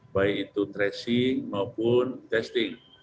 baik itu tracing maupun testing